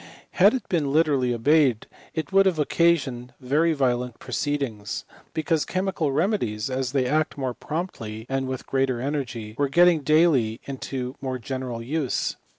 Had it been literally obeyed it would have occasioned very violent proceedings ; because chemical remedies, as they act more promptly and with greater energy, were getting daily into more general use.